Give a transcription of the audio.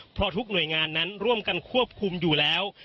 เพราะทุกหน่วยงานนั้นร่วมกันควบคุมอยู่แล้ว